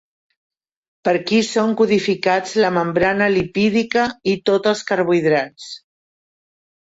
Per qui són codificats la membrana lipídica i tots els carbohidrats?